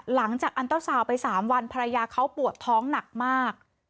หลังจากอันเตอร์ซาวน์ไป๓วันภรรยาเขาปวดท้องหนักมาก